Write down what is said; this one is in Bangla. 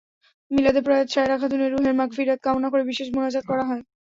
মিলাদে প্রয়াত সায়রা খাতুনের রুহের মাগফিরাত কামনা করে বিশেষ মোনাজাত করা হয়।